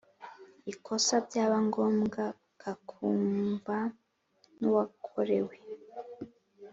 ikosa byaba ngombwa kakumva n uwakorewe